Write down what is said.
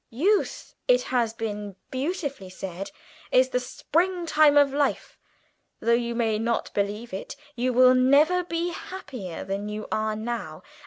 Youth, it has been beautifully said, is the springtime of life. Though you may not believe it, you will never be happier than you are now.